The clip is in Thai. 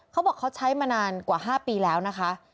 เขาบอกเขาใช้มานานกว่า๕ปีแล้วนะคะ